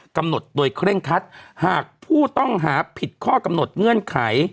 กำหนดโดยเคร่งคัดหากผู้ต้องหาผิดข้อกำหนดเงื่อนไข